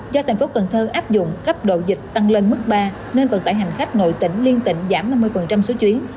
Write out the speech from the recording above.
do thành phố cần thơ áp dụng cấp độ dịch tăng lên mức ba nên vận tải hành khách nội tỉnh liên tỉnh giảm năm mươi số chuyến